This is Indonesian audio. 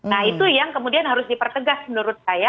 nah itu yang kemudian harus dipertegas menurut saya